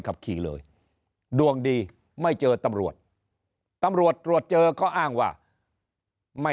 ขับขี่เลยดวงดีไม่เจอตำรวจตำรวจตำรวจตรวจเจอก็อ้างว่าไม่